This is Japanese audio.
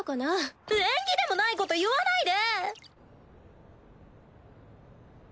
縁起でもないこと言わないで！